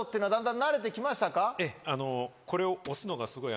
ええこれを押すのがすごい。